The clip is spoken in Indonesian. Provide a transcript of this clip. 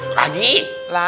ah udah dulu kan udah